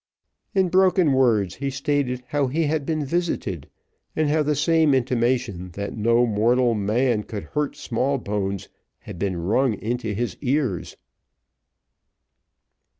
In broken words he stated how he had been visited, and how the same intimation that no mortal man could hurt Smallbones had been rung into his ears.